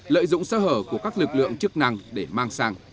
lợi dụng sơ hở của các lực lượng chức năng để mang sang